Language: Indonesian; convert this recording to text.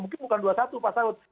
mungkin bukan dua puluh satu pak saud